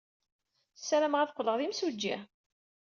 Ssarameɣ ad qqleɣ d imsujji.